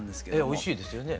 おいしいですよね。